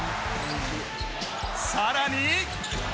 更に。